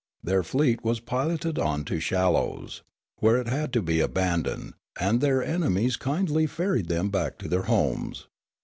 Their fleet was piloted on to shallows, where it had to be abandoned, and their enemies kindly ferried them back to their homes.